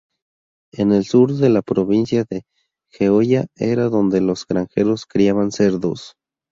En el sur de la provincia de Jeolla era donde los granjeros criaban cerdos.